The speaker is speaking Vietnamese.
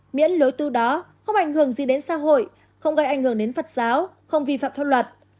miễn lối tu đó không ảnh hưởng gì đến xã hội không gây ảnh hưởng đến phật giáo không vi phạm pháp luật